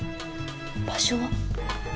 場所は？